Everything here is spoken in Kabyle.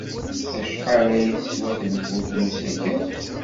Acḥal ay teswa tenfult n usakal?